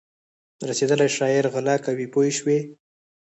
رسېدلی شاعر غلا کوي پوه شوې!.